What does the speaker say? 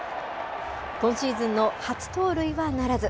今シーズンの初盗塁はならず。